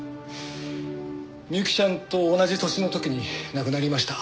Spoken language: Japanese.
美雪ちゃんと同じ年の時に亡くなりました。